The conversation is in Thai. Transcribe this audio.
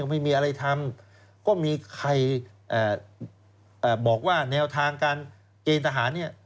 ไม่มีอะไรทำก็มีใครบอกว่าแนวทางการเกณฑ์ทหารเนี่ย